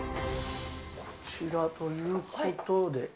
こちらということで。